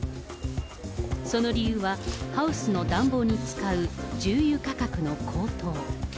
その理由はハウスの暖房に使う重油価格の高騰。